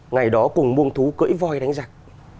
ngày đó cùng muôn thú cưỡi voi đánh giặc